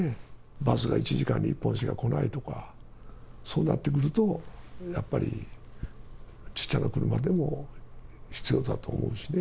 バスが１時間に１本しか来ないとか、そうなってくると、やっぱり小っちゃな車でも、必要だと思うしね。